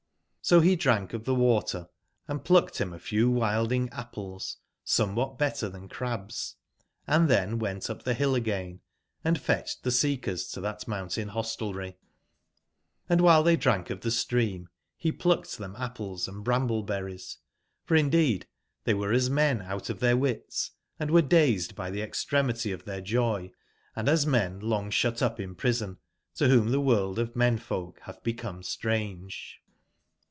So be drank of tbe water, & plucked bim a few wild 121 ing apples somewhat better than crabs, & then went u p the bill again & fetched the seekers to that moun tain hostelry ; and while they drank of the stream he plucked them apples & bramble/berries, for indeed they were as men out of their wits, and were dazed by the extremity of their joy, and as men long shut up in prison, to whom the world of men/folk hath become strange.